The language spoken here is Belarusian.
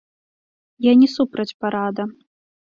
Я не супраць парада.